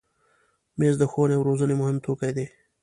مېز د ښوونې او روزنې مهم توکي دي.